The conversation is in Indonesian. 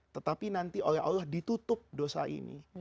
tetapi nanti oleh allah ditutup dosa ini